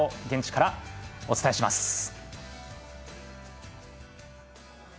現地からお伝えします。